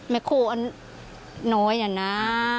แมคโฮอันน้อยอ่ะน่า